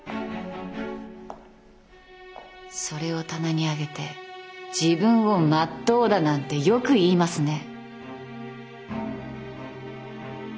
それを棚に上げて自分をまっとうだなんてよく言いますね。